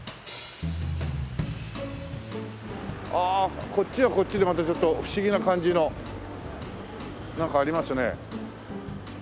ああこっちはこっちでまたちょっと不思議な感じのなんかありますね。